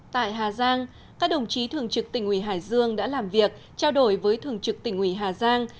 tại hà giang các đồng chí thường trực tỉnh ủy hải dương đã làm việc trao đổi với thường trực tỉnh ủy hà giang